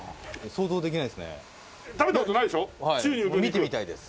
見てみたいです。